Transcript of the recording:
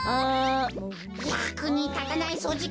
やくにたたないそうじきだってか。